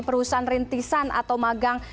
perusahaan rintisan atau magang